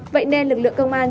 vậy nên lực lượng công an